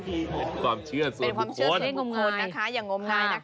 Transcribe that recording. เป็นความเชื่อส่วนเป็นความเชื่อส่วนบุคคลนะคะอย่างงมงายนะคะ